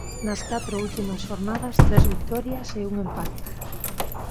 Nas catro últimas xornadas tres vitorias e un empate.